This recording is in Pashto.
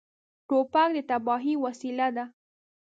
توپک د تباهۍ وسیله ده.